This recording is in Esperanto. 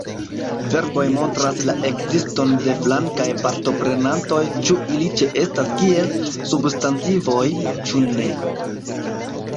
Verboj montras la ekziston de flankaj partoprenantoj, ĉu ili ĉeestas kiel substantivoj, ĉu ne.